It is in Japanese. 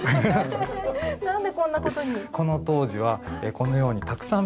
何でこんなことに？